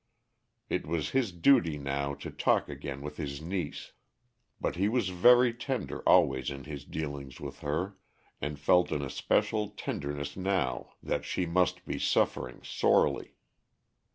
It was his duty now to talk again with his niece, but he was very tender always in his dealings with her, and felt an especial tenderness now that she must be suffering sorely.